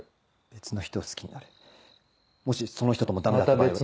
別の人を好きになるもしその人ともダメだった場合は。